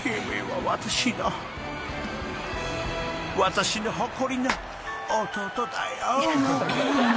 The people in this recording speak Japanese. ［私の誇りの弟だよ朗希］